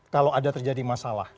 kalau ada terjadi masalah